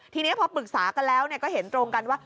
ทีนี้พอปรึกษากันแล้วก็เห็นตรงกันว่า